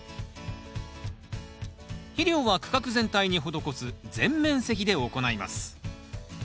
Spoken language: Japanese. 肥料は区画全体に施す全面施肥で行います。